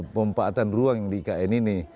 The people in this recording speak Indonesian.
pempaatan ruang di ikn ini